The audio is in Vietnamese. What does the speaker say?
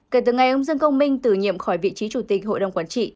kể từ ngày ông dương công minh tử nhiệm khỏi vị trí chủ tịch hội đồng quản trị